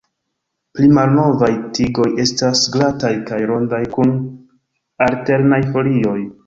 Pli malnovaj tigoj estas glataj kaj rondaj kun alternaj folioj.